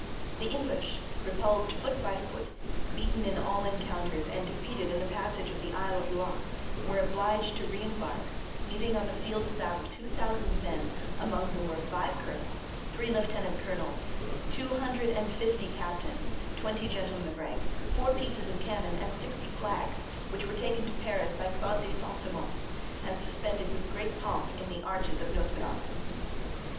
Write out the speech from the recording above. The English, repulsed foot by foot, beaten in all encounters, and defeated in the passage of the Isle of Loie, were obliged to re embark, leaving on the field of battle two thousand men, among whom were five colonels, three lieutenant colonels, two hundred and fifty captains, twenty gentlemen of rank, four pieces of cannon, and sixty flags, which were taken to Paris by Claude de St. Simon, and suspended with great pomp in the arches of Notre Dame.